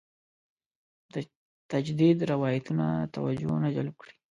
د تجدید روایتونه توجه نه جلب کړې.